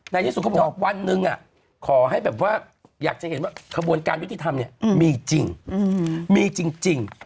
ในที่สุดเขาบอกว่าวันหนึ่งขอให้แบบว่าอยากจะเห็นว่าขบวนการยุติธรรมเนี่ยมีจริงมีจริง